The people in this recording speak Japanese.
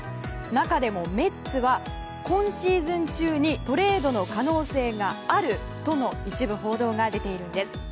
中でもメッツは今シーズン中にトレードの可能性があるとの一部報道が出ているんです。